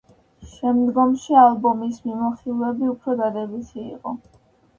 შემდგომში ალბომის მიმოხილვები უფრო დადებითი იყო.